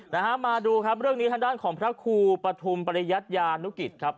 นะฮะมาดูครับเรื่องนี้ทางด้านของพระครูปฐุมปริยัตยานุกิจครับ